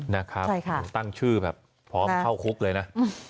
นะครับตั้งชื่อแบบพร้อมเข้าคุกเลยนะ